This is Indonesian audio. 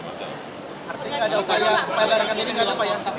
artinya ada upaya pembayaran ke sini gak apa ya